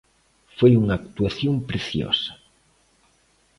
Foi unha actuación preciosa.